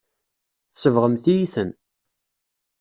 Tsebɣemt-iyi-ten.